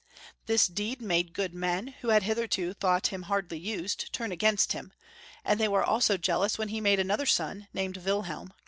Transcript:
This deed made good men, who had hitherto thought him hardly used, turn against him, and they were also jealous when he made another Bon, named Wil helm.